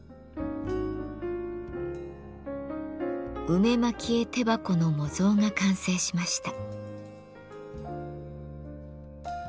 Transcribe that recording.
「梅蒔絵手箱」の模造が完成しました。